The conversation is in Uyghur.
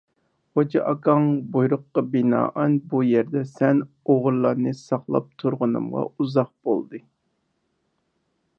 غوجا ئاكاڭ، بۇيرۇققا بىنائەن بۇ يەردە سەن ئوغرىلارنى ساقلاپ تۇرغىنىمغا ئۇزاق بولدى!